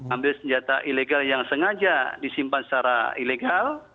ambil senjata ilegal yang sengaja disimpan secara ilegal